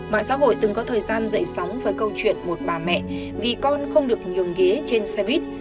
mạng xã hội từng có thời gian dậy sóng với câu chuyện một bà mẹ vì con không được nhường ghế trên xe buýt